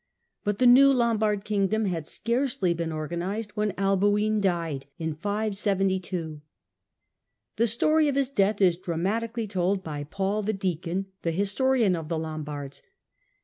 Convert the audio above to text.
Butlthe new A om ' Lombard kingdom had scarcely been organised when Alboin died. The story of his death is dramatically told by Paul the Deacon, the historian of the Lombards.